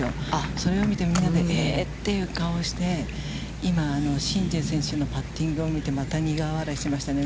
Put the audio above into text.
それを見て、みんなで、ええ、っていう顔をして、今、申ジエ選手のパッティングを見て、また苦笑いをしていましたね。